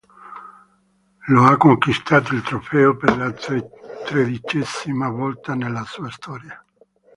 Lo ha conquistato il trofeo per la tredicesima volta nella sua storia.